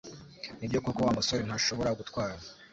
Nibyo koko Wa musore ntashobora gutwara?